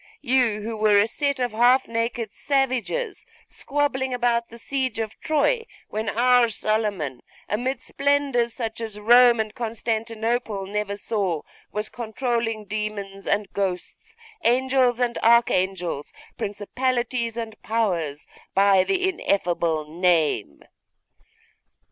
You, who were a set of half naked savages squabbling about the siege of Troy, when our Solomon, amid splendours such as Rome and Constantinople never saw, was controlling demons and ghosts, angels and archangels, principalities and powers, by the ineffable name?